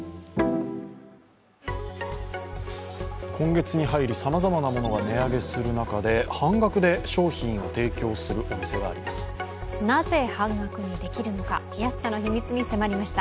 今月に入り、さまざまなものが値上げする中で半額で商品を提供するお店があります。